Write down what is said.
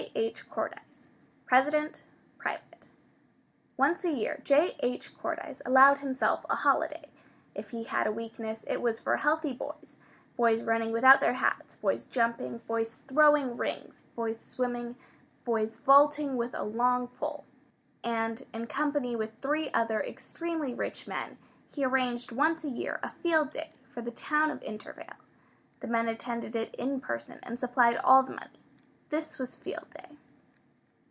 H. CORDYCE President Private Once a year J. H. Cordyce allowed himself a holiday. If he had a weakness, it was for healthy boys boys running without their hats, boys jumping, boys throwing rings, boys swimming, boys vaulting with a long pole. And in company with three other extremely rich men he arranged, once a year, a Field Day for the town of Intervale. The men attended it in person, and supplied all the money. This was Field Day.